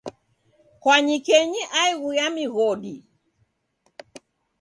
Kwanyikenyi aighu ya mighodi